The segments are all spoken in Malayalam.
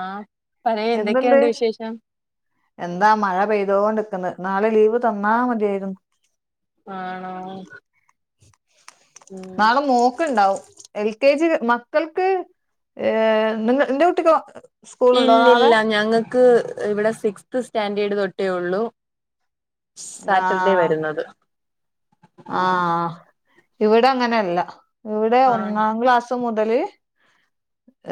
ആഹ് പറയ് എന്തുണ്ട് എന്തൊക്കെയുണ്ട് വിശേഷം എന്താ മഴ പെയ്തോണ്ടിക്കുന്നു നാളെ ലീവ് തന്നാ മതിയായിരുന്നു ആണോ ഉം നാളെ മോക്ക് ഇണ്ടാവും എൽ കെ ജി മക്കൾക്ക് എന്റെ കുട്ടിക്ക് സ്കൂളുണ്ടോ നാളെ ഇല്ലില്ല ഞങ്ങൾക്ക് ഇവിടെ സിക്സ്ത് സ്റ്റാൻഡേർഡ് തൊട്ടേയുള്ളൂ സാറ്റർഡേ ആഹ് വരുന്നത് ആഹ് ഇവിടെ അങ്ങനെയല്ല ഇവിടെ ആഹ് ഒന്നാം ക്ലാസ് മുതല്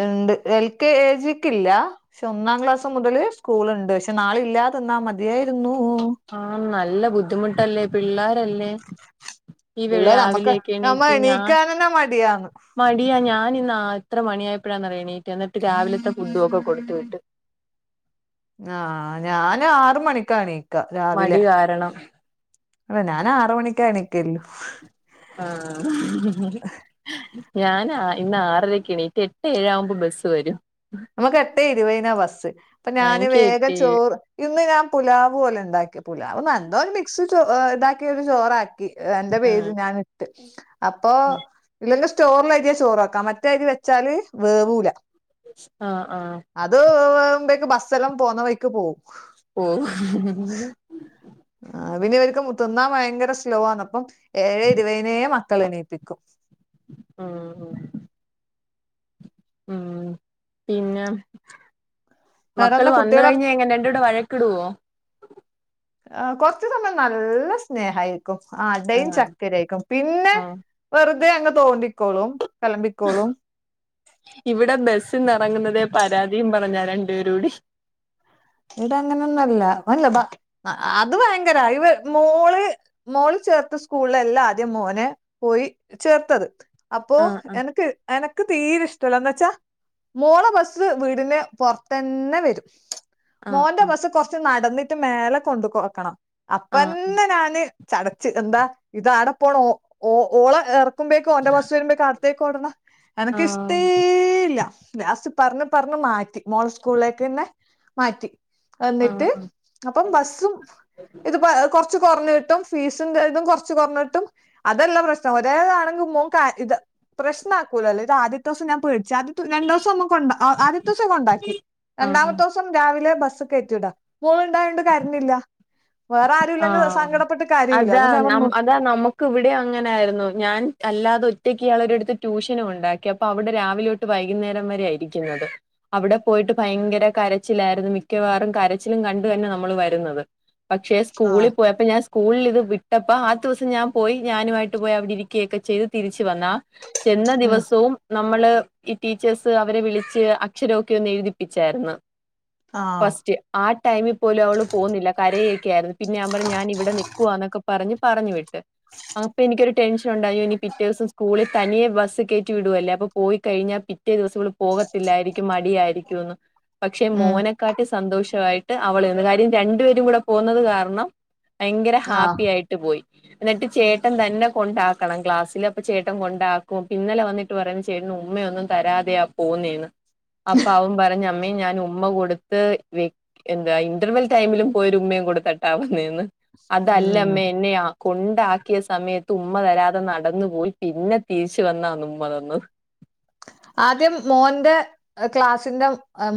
ഇണ്ട് എൽ കെ ജിക്കില്ല പക്ഷെ ഒന്നാം ക്ലാസ് മുതല് സ്കൂളുണ്ട് പക്ഷെ നാളെ ഇല്ലാതിന്നാ മതിയായിരുന്നു ആഹ് നല്ല ബുദ്ധിമുട്ടല്ലേ പിള്ളേരല്ലേ ഈ പിള്ളേര് നമ്മക്ക് രാവിലെയൊക്കെ നമ്മ എണീറ്റ് ഞാൻ എണീക്കാനന്നെ മടിയാന്ന് മടിയാ ഞാനിന്ന് എത്ര മണിയായപ്പോഴാന്ന് അറിയോ എണീറ്റേ എന്നിട്ട് രാവിലത്തെ ഫുഡും ഒക്കെ കൊടുത്ത് വിട്ട് ആഹ് ഞാന് ആറ് മണിക്കാ എണീക്കാ മടി രാവിലെ കാരണം ഞാനും ആറ് മണിക്കാ എണീക്കല് ആഹ് ഞാൻ ഇന്ന് ആറരക്ക് എണീറ്റ് എട്ട് ഏഴാകുമ്പോ ബസ്സ് വരും നമുക്ക് എട്ടേ ഇരുപതിനാ ബസ്സ് അപ്പൊ ആഹ് ഞാന് എനിക്ക് വേഗം എട്ട് ഏഴ് ചോറ് ഇന്ന് ഞാന് പുലാവ് പോലെ ഇണ്ടാക്കി പുലാവ് എന്തൊ മിക്സ് ഇതാക്കി ഒരു ചോറാക്കി രണ്ട് പേജ് ഞാന് ഇട്ട് അപ്പൊ ആഹ് ഇല്ലെങ്കിൽ സ്റ്റോറില അരിയെ ചോറ ആക്കാം മറ്റേ അരി വെച്ചാല് വേവൂല ആഹ് ആഹ് അത് വേവുബക്ക് ബസ്സ എല്ലാം പോകു ന്ന വഴിക്ക് പോകും. പോവും ആഹ് പിന്നെഇവർക്ക് മു തിന്നാ ഭയങ്കര സ്ലോവാണ് ആന്നപ്പം ഏഴ് ഇരുപയിനേ മക്കളെ എണീപ്പിക്കും. ആഹ് ആഹ് ആഹ് പിന്നെ മക്കൾ വേറെന്താ വന്ന കുട്ടികളെ കഴിഞ്ഞഴ്ഞ്ഞ എങ്ങനെണ്ട് രണ്ട് കൂടെ വഴക്കിടോ? ആഹ് കൊറച്ചു സമയം നല്ല സ്നേഹ ആയിരിക്കും ആ അടയും ആഹ് ചക്കരയയിക്കും പിന്നെ ആഹ് വെറുതെ അങ്ങ് തോണ്ടിക്കോളും കലമ്പിക്കോളും. ഇവിടെ ബസ്സിന്ന് ഇറങ്ങുന്നതേ പരാതിയും പറഞ്ഞാ രണ്ടുപേരും കൂടി ഇവിടെ അങ്ങനെ ഒന്നുംഅല്ല അല്ല അത് ഭയങ്കര ഇവ മോള് മോള് ചേർത്ത സ്കൂള അല്ലാ ആദ്യം മോനെ പോയി ചേർത്തത്. അപ്പോ ആഹ് എനക്ക് എനക്ക് തീരെ ഇഷ് ഇഷടല്ല എന്ന് വെച്ചാ മോളെ ബസ് വീടിന്റെ പൊറത്ത് തന്നെ വരും. ആഹ് മോന്റെ ആഹ് ബസ്സ് കൊറച്ച് നടന്നിട്ട് മേലെ കൊണ്ട് കൊട്ക്കണം ആഹ് അപ്പന്നെ ഞാന് ചടച്ച് എന്താ ഇതാട പോണം ഓ ഓ ഓളെ എറക്കുമ്പോക്ക് ഓന്റെ ബസ്സ് വരുമ്പോഴ്ക്ക് അടുത്തേക്ക് ഓടണം എനക്ക് ആഹ് ഇഷ്ടേല്ല ലാസ്റ്റ് പറഞ്ഞ് പറഞ്ഞ് മാറ്റി മോൾ സ്കൂളിലേക്ക് തന്നെ മാറ്റി ആഹ് എന്നിട്ട് ആഹ് ആഹ് അപ്പം ബസ്സും ഇത്പ്പൊ കൊറച്ച് കൊറഞ്ഞ് കിട്ടും ഫീസും ഇതും കുറച്ച് കുറഞ്ഞ് കിട്ടും അതല്ല പ്രശ്നം ഒരേതാണെങ്കിൽ മോ കാര ഇത് പ്രശ്നാക്കൂലല്ലോ ഇത് ആദ്യ ദിവസം ഞാൻ പേടിച്ചു ആദ്യം രണ്ടു ദിവസം നമ്മകൊണ്ടാ ആദ്യത്ത ദിവസം കൊണ്ടാക്കി ആഹ് രണ്ടാമത്തെ ദിവസം രാവിലെ ബസ് കയറ്റിവിടാ മോള് ഇണ്ടായോണ്ട് കരഞ്ഞില്ല വേറെ ആരും ഇല്ലെങ്കിൽ സങ്കടപ്പെട്ട് കരയൂല്ലെ അതോണ്ട് ഞാൻ പറഞ്ഞു ഇതാ നമുക്ക് ഇവിടെ അങ്ങനെയായിരുന്നു ഞാൻ അല്ലാതെ ഒറ്റയ്ക്ക് ഇയാളെ ഒരുടുത്ത് ട്യൂഷന് കൊണ്ടാക്കി അപ്പൊ അവിടെ രാവിലെ വൈകുന്നേരം വരെ ഇരിക്കുന്നത്. അവിടെ പോയിട്ട് ഭയങ്കര കരച്ചിലായിരുന്നു മിക്കവാറും കരച്ചിലും കണ്ടു തന്നെ നമ്മൾ വരുന്നത്. പക്ഷെ ആഹ് സ്കൂളിൽ പോയപ്പോ ഞാൻ സ്കൂളിൽ ഇത് വിട്ടപ്പ ആദ്യത്തെ ദിവസം ഞാൻ പോയി ഞാനുമായിട്ട് പോയി അവിടെ ഇരിക്കുകയൊക്കെ ചെയ്ത് തിരിച്ചു വന്നാ ചെന്ന ഉം ദിവസവും നമ്മള് ഈ ടീച്ചേഴ്സ് അവരെ വിളിച്ച് അക്ഷരമൊക്കെ ഒന്ന് എഴുതിപ്പിച്ചായിരുന്നു. ആഹ് ഫസ്റ്റ് ആ ടൈമിൽ പോലും അവള് പോകുന്നില്ല കരയൊക്കെ ആയിരുന്നു. പിന്നെ നാപറന്നു ഞാൻ ഇവിടെ നിൽക്കുവാന്നൊക്കെ പറഞ്ഞ് പറഞ്ഞ് വിട്ട് അപ്പൊ എനിക്കൊരു ടെൻഷൻ ഉണ്ടായി ഇനി പിറ്റേ ദിവസം സ്കൂളിൽ തനിയെ ബസ് കേറ്റി വിടുവല്ലെ അപ്പോ പോയി കഴിഞ്ഞാ പി പിറ്റേ ദിവസം ഇവള് പോകത്തില്ലായിരിക്കും മടിയായിരിക്കുംഎന്ന് പക്ഷെ ഉം മോനക്കാട്ടി സന്തോഷമായിട്ട് അവളന്ന് കാര്യം രണ്ടുപേരും കൂടെ പോകുന്നത് കാരണം ഭയങ്കര ആഹ് ഹാപ്പി ആയിട്ട് പോയി. എന്നിട്ട് ചേട്ടൻ തന്നെ കൊണ്ടാക്കണം ക്ലാസ്സില് അപ്പം ചേട്ടം കൊണ്ടാക്കും. ഇ ന്നലെ വന്നിട്ട് ഉമ്മയൊന്നും തരാതെയാ പോവുന്നേന്ന് അപ്പം അവൻപറഞ്ഞു അമ്മേ ഞാൻ ഉമ്മ കൊടുത്ത് എന്താ ഇന്റർവെൽ ടൈമിലും പോയി ഒരു ഉമ്മയും കൊടുത്ത് വന്നേന്ന് അതല്ല ഉം അമ്മേ എന്നെയാ കൊണ്ടാക്കിയ സമയത്ത് ഉമ്മ തരാതെ നടന്നു പോയി പിന്നെ തിരിച്ച് വന്നാന്ന് ഉമ്മ തന്ന്. ആദ്യം മോന്റെ ക്ലാസിന്റെ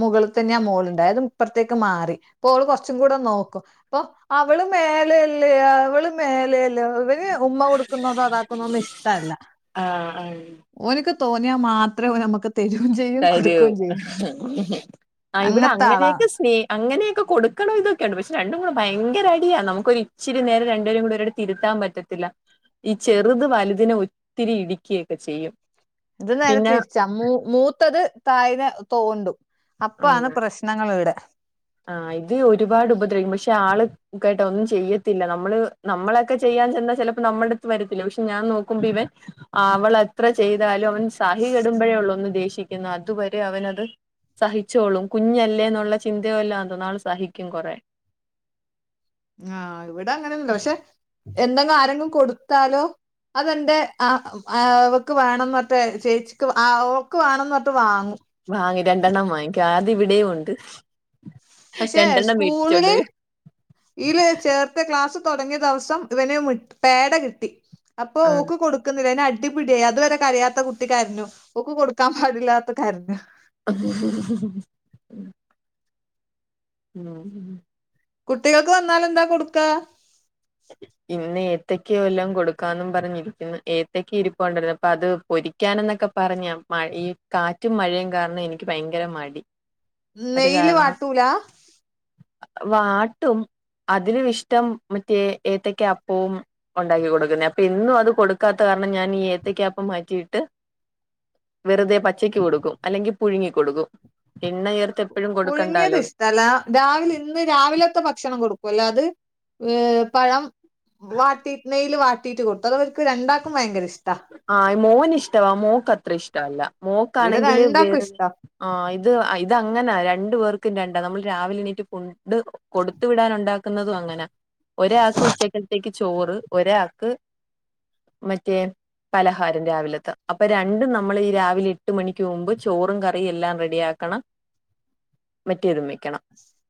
മുകളിൽ തന്നെ ആ മോളുണ്ടായ അതും ഇപ്പറത്തേക്ക് മാറി ഇപ്പോള് കുറച്ചും കൂടെ നോക്കും. അപ്പൊ അവള് മേലെല്ലേ അവള് മേലെല്ലേ ന് ഉമ്മ കൊടുക്കുന്നതോ അതാക്കുന്നന്നും ഇഷ്ടമല്ല ആഹ് ആഹ് ഓ എനിക്ക് തോന്നിയാ മാത്ര ത്രയ നമുക്ക് തരിയോ ആ ഇവിടെ അങ്ങനത്തെ ആളാണ് അങ്ങനെയൊക്കെ സ്നേ അങ്ങനെയൊക്കെ കൊടുക്കണം ഇൊക്കെയുണ്ട് പക്ഷ രണ്ടും കൂടെ ഭയങ്കര അടിയ നമുൊ ഇരി നേരെ രണ്ടുേരും ഒരട് തിരുത്താൻ പറ്റും പറ്റത്തി ഈ ചെറുത് വലുതിനെ ഒത്തിരി ഇടുക്കിയൊക്കെ ചെയ്യും. ഇത് നേരെ പിന്നെ തിരിച്ച മൂ മൂത്തത് തായെ തോണ്ടും അപ്പ ആണ് ആഹ് പ്രശ്നം ഞങ്ങളൾ ഇവിടെ ആഹ് ഇത് ഒരുപാട് ഉപദ്രവിക്കും പക്ഷെ ആള് ക്ക കേട്ടാ ഒന്നും ചെയ്യത്തില്ല നമ്മള് നമ്മളൊക്കെ ചെയ്യാൻ ചെന്നാ ചിലപ്പോ നമ്മുടെ അടുത്ത് വരത്തില്ല പക്ഷെ ഞാൻ നോക്കുമ്പോ ഇവൻ അവളത്ര ചെയ്താലും അവൻ സഹി കെടുമ്പോഴേ ഉള്ളൂ ഒന്ന് ദേഷിക്ക അതുവരെ അവനത് സഹിച്ചോളും കുഞ്ഞല്ലേ എന്നുള്ളന്ത [unintelligible] നാള് സഹിക്കും കുറെേ ആഹ് ഇവിടെ അങ്ങനെന്നല്ല പക്ഷെ എന്തെങ്കും ആരെങ്കിലും കൊടുത്താലോ അതന്റെ ആ അവക്ക് വേണം എന്നൊട്ട് ചേച്ചിക്ക് അവക്ക് വേണംന്ന് പറട്ട് വാങ്ങും വാങ്ങി രണ്ടെണ്ണം വാങ്ങിക്ക അതി ഇവിടെയും ഉണ്ട് പക്ഷെ രണ്ടെണ്ണം സ്കൂളില് മേടിച്ചോണ്ട് വരും ല് ചേർ ത്തെ ക്ലാസ് തുടങ്ങിയ ദിവസം ഇവ പേട കിട്ടി ആഹ് അപ്പോക്ക് കൊട് കൊുന്നില്ല അ അടിപിടിയായി അതുവരെ കരിയത്ത കുട്ടി ക്കരഞ്ഞു ഓക്ക് കൊടുക്കാൻ പാടില്ലാത്ത കാരനു അത ഉഹ് ഉമ് കുട്ടികൾക്ക് വന്നാലന്താ കൊടുക്കാ ഇന്ന് ഏത്തക്ക എല്ലാം കൊടുക്കാ പറഞ്ഞിരിക്കുന്നു ഏത്തക്ക ഇരിപ്പണ്ടിരരുന്നു അപ്പൊ അത് പൊരി പിക്കാന എന്നൊക്കെ പറഞ്ഞ മഴ ഈ കാറ്റും മഴയും കാരണം എനിക്ക് ഭയങ്കര മടി അത് നെയ്യില് കാരണം വാട്ടൂല വാട്ടും അതിലും ഇഷ്ടം മറ്റേ ഏത്തക്ക അപ്പവും ഉണ്ടാക്കി കൊടുക്കുന്നേ അപ്പൊ ഇന്നും അത് കൊടുക്കാത്ത കാരണം ഞാൻ ഈ ഏത്തക്കപ്പം മാറ്റിയിട്ട് വെറുതെ പച്ചക്കക്ക് കൊടുക്കും അല്ലെങ്കിൽ പുഴുങ്ങി കൊടുക്കും എണ്ണയർ പുഴുങ്ങിയത് ഇഷ് തല രാവിലെ ഇന്ന് രാവിലത്തെ ഭക്ഷണം കൊടുക്കും അല്ല അത് ഏഹ് പഴം വാട്ടീ നെൽ വാട്ടീട്ട് കൊടുത്തു അ അവർക്ക് രണ്ടാക്കും ഭയങ്കര ഇഷ്ടമാണ് ആഹ് മോന് ഇഷ്ടവാ മോക്ക് അത്ര ഇഷ്ടല്ല ഇവിടെ മോക്ക്ണെങ്കില് രണ്ടാക്കും വേറൊ ഇഷ്ടാ ആ ഇത് ഇത് അങ്ങനെ രണ്ടു പേർക്കും രണ്ടാ നമ്മൾ രാവിലെ എണീറ്റ് കൊടുത്തു വിടാൻ ഉണ്ടാക്കുന്നതും അങ്ങനെ ഒരാൾക്ക് ഉച്ചക്കത്തേക്ക് ചോറ് ഒരാൾക്ക് മറ്റേ പലഹാരം രാവിലത്തെ അപ്പൊ രണ്ടും നമ്മൾ ഈ രാവിലെ എട്ട് മണിക്ക് മുമ്പ് ചോറും കറിയും എല്ലാം റെഡിയാ ക്കണം [inaudible] മറ്റേ ഇതും വെക്കണം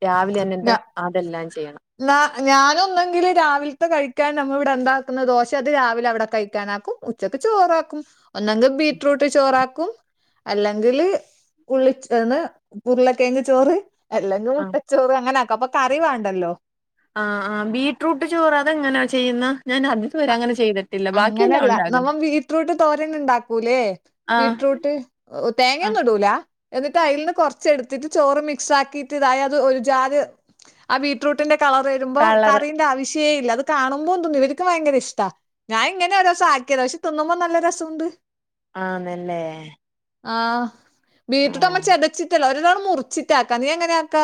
രാവിലെ തന്നെണ്ട് അതെല്ലാം ചെയ്യണം നാ ഞാനൊന്നെങ്കിൽ രാവിലത്തെ കഴിക്കാൻ നമ്മൾ ഇവിടെ ഉന്താക്കുന്ന ദോശ അത് രാവിലെ അവിടെ കഴിക്കാനാക്കും ഉച്ചക്ക് ചോറാക്കും ഒന്നങ്കിൽ ബീറ്റ്റൂട്ട് ചോറാക്കും അല്ലെങ്കിൽ ഉള്ളിന്ന് പുരുളക്കെങ്ങ് ചോറ് അല്ലങ്കി ആഹ് മുട്ടച്ചോറ് അങ്ങനെ ആക്കും അപ്പൊ കറി വേണ്ടല്ലോ ആഹ് ആഹ് ബീടറൂട്ട് ചോറ് അതെങ്ങനെയാ ചെയ്യുന്ന ഞാൻ അങ്ങനെ ചെയ്തിട്ടില്ല ബാക്കിയെല്ലാം അങ്ങനെയല്ല നമ്മ ഉണ്ടാകുന്നെ ബീടറൂട്ട് തോരന്ന ഉണ്ടാക്കൂല്ലേ ആഹ് ബീടറൂട്ട് ആഹ് തേങ്ങൊന്നും ഇടുല എന്നിട്ട് അയലിന്ന് കൊറച്ച് എടുത്തിട്ട് ചോറ് മിക്സ് ആക്കിട്ട് ഇതായ അത് ഒരു ജാതി ആ ബീട്രൂട്ടിന്റെ കളർ വരുമ്പോൾ കളർ കറീന്റെ ആവശ്യേ ഇല്ല അത് കാണുമ്പോ തോന്നും ഇവർ എനിക്ക് ഭയങ്കര ഇഷ്ട ഞാൻ ഇങ്ങനെ ഒരു ദിവസം ആക്കിയത പക്ഷെ തിന്നുമ്പോൾ നല്ല രസമുണ്ട് ആന്നല്ലേ ആഹ ആഹ് ബീട്ടിട്ട് ചതച്ചിട്ടല്ലോ ഒരാൾ മുറിച്ചിട്ട ആക്ക നീ എങ്ങനെ ആക്ക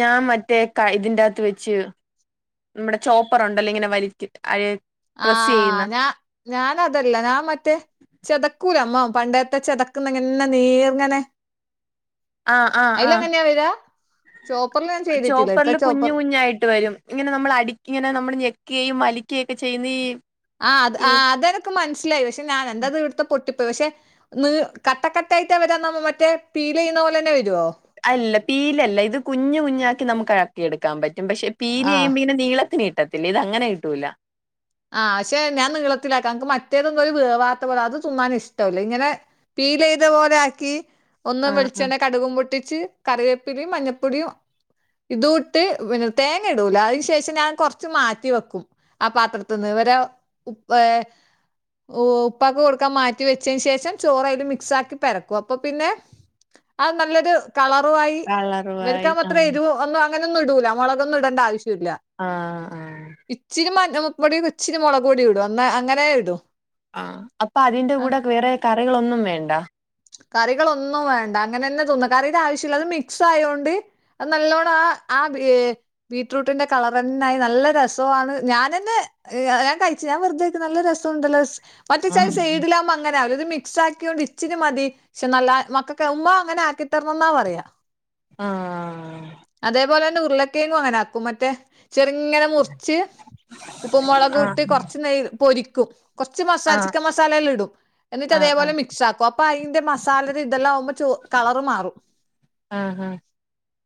ഞാൻ മറ്റേ ഇതിന്റെ അകത്ത് വെച്ച് നമ്മുടെ ചോപ്പറുണ്ടല്ലോ ഇങ്ങനെ വലി ആഹ് ഞാ ഞാൻ അതല്ല ഞാൻ മറ്റേ ചെതക്കൂല നമ്മ പണ്ടത്തെ ചെതക്കുന്നങ്ങന്നെ നീർങ്ങനെ ആഹ ആഹ ആഹ ചോപ്പർല് ചോപ്പർല് കുഞ്ഞ് കുഞ്ഞായിട്ട് വെരും ഇങ്ങനെ നമ്മള് അടിക്ക ഇങ്ങനെ നമ്മള് ഞെക്കെ വലിക്കെ ഒക്കെ ചെയ്യുന്ന ഈ ആഹ് ഈ അഹ് അത് എനിക്ക് മനസ്സിലായി പക്ഷെ ഞാൻ എന്താ ഇത് ഇവിടുത്തെ പൊട്ടിപ്പോയി പക്ഷെ ന്ന് കട്ടക്കട്ടായിട്ട വെരാ മറ്റേ പീല് ചെയ്യുന്ന പോലെ തന്നെ വെരോ? അല്ല പീലല്ല ഇത് കുഞ്ഞ് കുഞ്ഞാക്കി നമുക്ക് ‌ക്കി എടുക്കാൻ പറ്റും പക്ഷെ പീല് ആഹ് യുമ്പോ ഇങ്ങനെ നീളത്തില് കിട്ടത്തില്ലേ ഇത് അങ്ങനെ കിട്ടൂല ആഹ് പക്ഷെ ഞാൻ നീളത്തിലാക്ക അനക്ക് മറ്റേതെന്തോ ഒരു വേവാത്ത പോലെ അത് തിന്നാൻ ഇഷ്ടല്ല ഇങ്ങനെ പീലെയ്തെ പോലെ ആക്കി ഒന്ന് ആഹ് ആഹ് വെളിച്ചെണ്ണ, കടുകും പൊട്ടിച്ച് കറിവേപ്പിലിം, മഞ്ഞപ്പൊടിയും ഇത് ഇട്ട് പിന്നെ തേങ്ങ ഇടൂല അയ്ന് ശേഷം ഞാൻ കോർച്ച് മാറ്റി വെക്കും ആഹ് പാത്രത്തി ഇവരെ ഇപ്പേ ഓ ഉപ്പാക്ക് കൊടുക്കാൻ മാറ്റി വെച്ചതിന് ശേഷം ചോറ് അയ്ല് മിക്സാക്കി പെരക്കും അപ്പൊ പിന്നെ അഹ് നല്ലൊരു കളറു ആയി കളറ് വായി വിളിക്കാൻ മാത്രം ആഹ് എരിവും ഒന്നും അങ്ങനെന്നും ഇടൂല മോളകൊന്നും ഇടേണ്ട ആവശ്യല്ല ആഹ് അഹ് ഇച്ചിരി മഞ്ഞൾപ്പൊടിയും, ഇച്ചിരി മോളക് പൊടി ഇടും അന്ന അങ്ങനെ ഇടൂ ആഹ് അപ്പ അതിന്റെ കൂടെ വേറെ കറികളൊന്നും വേണ്ട കറികളോന്നും വേണ്ട അങ്ങനെന്നെ തിന്ന കറിയുടെ ആവശ്യല്ല അത് മിക്സ് ആയോണ്ട് അത് നല്ലോണം ആഹ് ആഹ് [unintelligible] ബീറ്റ്റൂട്ടിന്റെ കളറെന്നെ ആയി നല്ല രസൊണ് ഞാനെന്നെ ഏഹ് ഞാൻ കഴിച്ചു ഞാൻ വെറുതേക്ക് നല്ല രസൊണ്ടല്ലോ മറ്റെച്ചാൽ ആഹ് സൈഡിലാവുമ്പം അങ്ങനെ അവൂലെ ഇത് മിക്സ് ആക്കിയത് കൊണ്ട് ഇച്ചിരി മതി പക്ഷെ നല്ല മക്കക്ക് ഉമ്മ അങ്ങനെ ആക്കിത്തരണം എന്നാ പറയാ ആഹ് അതേപോലെ തന്നെ ഉരുളക്കിഴങ്ങും അങ്ങനെ ആക്കും മറ്റെ ചെറ്ങ്ങനെ മു ച്ച് ഉപ്പും ആഹ് മോളകുട്ട് കോർച്ച് നെയ്യിൽ പൊരിക്കും കോർച്ച് മസാല ആഹ് ചിക്കൻ മസാലെലടും എന്നിട്ട് ആഹ് അതേ ആഹ് പോലെ മിക്സാക്കും അയ്ന്റെ മസാലയുടെ ഇതെല്ലാം ആവുമ്പോ ച്ചോ കളറ് മാറും ആഹ്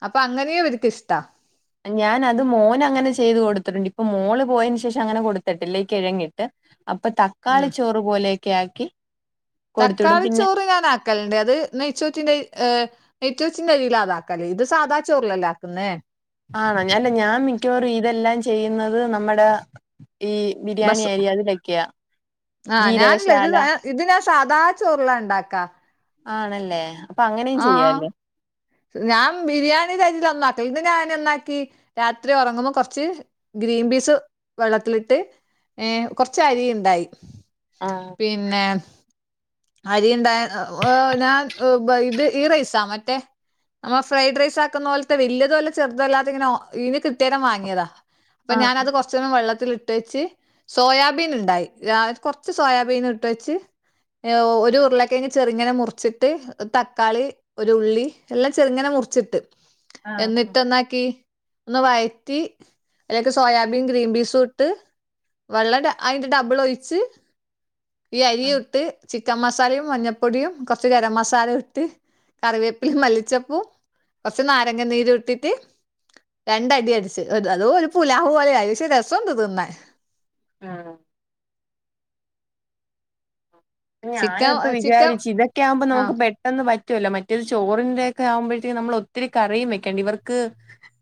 അപ്പം അങ്ങനെയും ഇവർക്ക് ഇഷ്ടാ ഞാൻ അത് മോന് അങ്ങനെ ചെയ്ത് കൊടുത്തിട്ടുണ്ട് ഇപ്പൊ മോള് പോയതിന് ശേഷം അങ്ങനെ കൊടുത്തിട്ടില്ല ഇ കിഴങ്ങിട്ട് അപ്പം തക്കാളി ചോറ് പോലെയെക്കെ ആക്കി കൊടുത്തുവിടും തക്കാളി പിന്നെ ചോറ് ഞാൻ ആക്കല്ണ്ട് അത് നെയ്ച്ചോറ്റിന്റെ ഏഹ് നെയ്‌ച്ചറ്റിന്റെ അരിയിലാണ് അതാക്കല് ഇത് സാധാ ചോറിലല്ലേ ആക്ന്നേ ആണോ അല്ല ഞാൻ മിക്കവാറും ഇതെല്ലാം ചെയ്യ്ന്നത് നമ്മടെ ഈ ബിരിയാണി ബസ് അരി അതിലൊക്കെയാ ആഹ് ഞാനില്ല ഇത് ജീരകശാല ഇത് ഞാൻ സാദാ ചോറിലാ ഇണ്ടക്ക ആണല്ലേ അപ്പ അങ്ങനെ ആഹ് ചെയ്യല്ലേ ഞാൻ ബിരിയാണിയുടെ അരിയിൽ ഒന്നും ആക്ക ഇത് ഞാൻ എന്താക്കി രാത്രി ഒറങ്ങുമ്പോ കൊർച്ച് ഗ്രീൻ പീസ് വെള്ളത്തിലിട്ട് ഏഹ് കോർച്ച് അരി ഇണ്ടായി ആഹ് പിന്നെ അരി ഇണ്ടാ ഞാൻ ഇത് ഈ റൈസാ മറ്റേ നമ്മള് ഫ്രൈഡ് റൈസ് ആക്ന്ന പോലത്തെ വെല്യതും അല്ല ചെറുതല്ലാത്ത ഇങ്ങനെ ഈ കിട്ടേതം വാങ്ങിയതാ അപ്പ ആഹ് ഞാനത് കൊർ കോർച്ച്ന് വെള്ളത്തിലിട്ട് വെച്ച് സോയാബീൻ ഇണ്ടായി രാ കൊർച്ച് സോയാബീൻ ഇട്ടച്ച് ഒരു ഉരുള കിഴങ്ങ് ചെറിങ്ങനെ മുർച്ചിട്ട് തക്കാളി, ഒരു ഉള്ളി എല്ലാം ചെർങ്ങനെ മുർച്ചിട്ട് ആഹ് എന്നിട്ട് എന്നാക്കി ഒന്ന് വയറ്റി അയ്ലെക്ക് സോയാബീൻ, ഗ്രീൻ പീസും ഇട്ട് വെള്ളം അയ്ന്റെ ഡബിള് ഒഴിച്ച് ഈ ആഹ് അരിയും ഇട്ട് ചിക്കൻ മസാലയും, മഞ്ഞപ്പൊടിയും, കോർച്ച് ഗരം മസാല, ഇട്ട് കറിവേപ്പില മല്ലി ചെപ്പൂ കൊറച്ച് നാരങ്ങ നീര് ഇട്ടിട്ട് രണ്ട അടി അടിച്ച് അത് അതോ ഒരു പുലാഹു പോലെ ആയി. പക്ഷെ രസം ഉണ്ട് തിന്നാൻ [unintelligible] ചിക്കൻ ഞാനിപ്പ ചിക്കൻ വിചാരിച്ചു, ഇതൊക്കെ ആകുമ്പം ആ നമുക്ക് പെ ട്ടെന്ന് പറ്റുല്ല, മറ്റേത് ചോറിന്റെ ഒക്കെ ആവുമ്പഴത്തിനും നമ്മൾ ഒത്തിരി കറിയും വെക്കാണ്ട് ഇവർക്ക്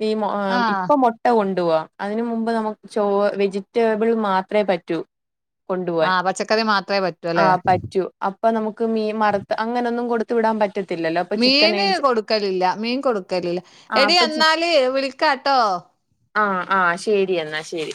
ഈ മോ ഏ ആ ഇപ്പം മൊ ട്ട കൊണ്ടു പോകാം. അതിന് മുമ്പ് നമുക്ക് ചോ വെജിറ്റേബിൾ മാത്രേ പറ്റൂ. ആഹ് പച്ചക്കറി മാത്രെ പ ആഹ് പറ്റൂ, അപ്പൊ നമുക്ക് മീൻ വറത്ത് അങ്ങനെന്നും കൊടുത്ത് വിടാൻ പറ്റത്തില്ലല്ലോ അപ്പൊ ചിക്കൻ മീന് മേടിച്ച് കൊടുക്കലില്ല മീൻ കൊടുക്കലില്ല. ആ എടി അപ്പൊ എന്നാല് വിളിക്കാട്ടോ ആഹ് ആഹ് ശരി എന്നാ ശരി